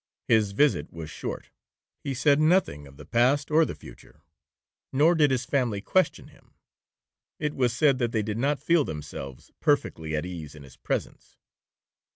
His visit was short, he said nothing of the past or the future, nor did his family question him. It was said that they did not feel themselves perfectly at ease in his presence.